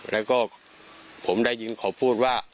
แล้วก็ผมได้ยินเขาพูดว่า